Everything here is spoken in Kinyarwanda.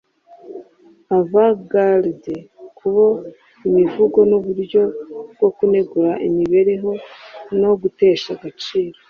avant-garde kubo imivugo nuburyo bwo kunegura imibereho no gutesha agaciro